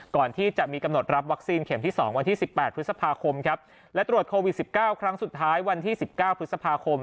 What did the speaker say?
ก่อนที่จะมีกำหนดรับวัคซีนเข็มที่๒วันที่๑๘พฤษภาคมครับและตรวจโควิด๑๙ครั้งสุดท้ายวันที่๑๙พฤษภาคม